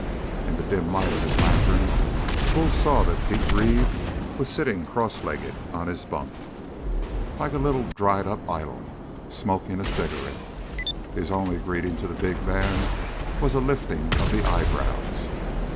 In the dim light of his lantern, Bull saw that Pete Reeve was sitting cross legged on his bunk, like a little, dried up idol, smoking a cigarette. His only greeting to the big man was a lifting of the eyebrows.